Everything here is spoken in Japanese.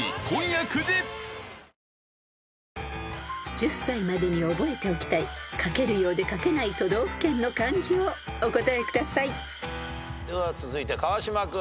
［１０才までに覚えておきたい書けるようで書けない都道府県の漢字をお答えください］では続いて川島君。